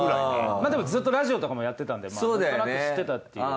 まあでもずっとラジオとかもやってたんでなんとなく知ってたっていう。